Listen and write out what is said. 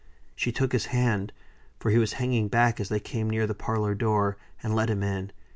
She took his hand, for he was hanging back as they came near the parlor door, and led him in.